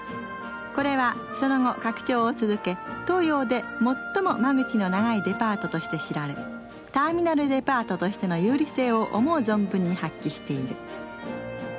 これはその後、拡張を続け東洋で最も間口の長いデパートとして知られターミナルデパートとしての優位性を思う存分に発揮している。